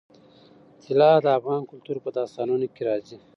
طلا د افغان کلتور په داستانونو کې راځي.